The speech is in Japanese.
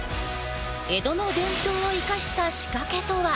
江戸の伝統を生かした仕掛けとは？